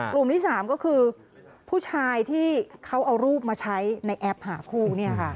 กลุ่มที่๓ก็คือผู้ชายที่เขาเอารูปมาใช้ในแอปหาคู่